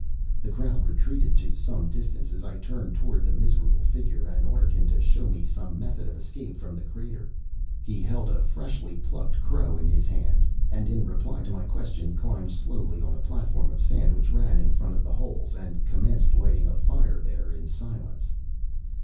The crowd retreated to some distance as I turned toward the miserable figure, and ordered him to show me some method of escaping from the crater. He held a freshly plucked crow in his hand, and in reply to my question climbed slowly on a platform of sand which ran in front of the holes, and commenced lighting a fire there in silence.